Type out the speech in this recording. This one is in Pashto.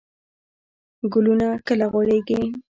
ګلونه کله غوړیږي؟